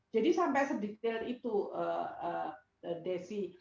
jadi sampai sedetail itu desy